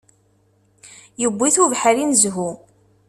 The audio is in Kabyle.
Yewwi-t ubeḥri n zzhu.